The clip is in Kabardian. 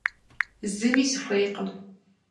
Зыми сыхуейкъым.